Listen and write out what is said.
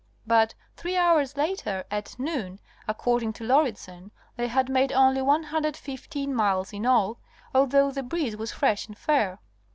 But three hours later, at noon, according to Lauridsen, they had made only 115 miles in all, although the breeze was fresh and fair.